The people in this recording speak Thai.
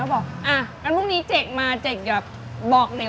บอกอะงั้นพรุ่งนี้เจ๋กมาเจ๋กแบบบอกหน่อย